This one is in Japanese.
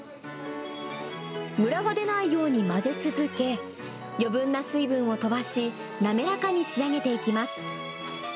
むらが出ないように混ぜ続け、余分な水分を飛ばし、滑らかに仕上げていきます。